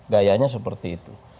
gayanya seperti itu